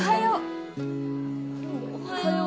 おはよう